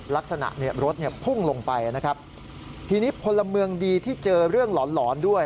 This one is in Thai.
ลักษณะรถพุ่งลงไปที่นี้พลเมืองดีที่เจอเรื่องหล่อนด้วย